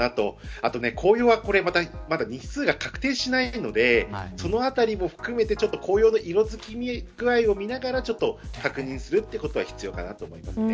あと紅葉は日数が確定しないのでそのあたりも含めて紅葉の色づき具合を見ながら確認するということが必要だと思います。